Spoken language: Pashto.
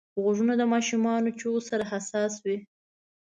غوږونه د ماشومو چیغو سره حساس وي